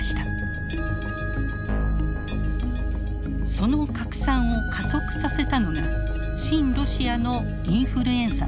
その拡散を加速させたのが親ロシアのインフルエンサーたち。